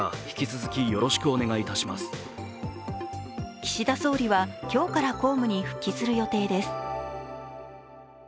岸田総理は今日から公務に復帰する予定です。